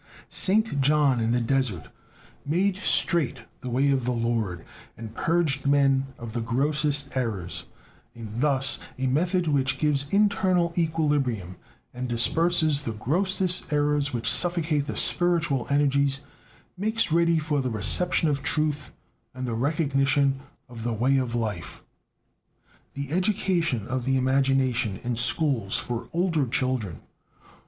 Saint John in the desert "made straight the way of the Lord" and purged men of the grossest errors. And thus a method which gives internal equilibrium and disperses the grossest errors which suffocate the spiritual energies, makes ready for the reception of truth and the recognition of the "way of life." =The education of the imagination in schools for older children=.